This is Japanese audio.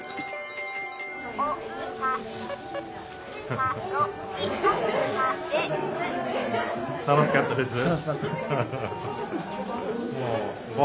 結構「楽しかったです」。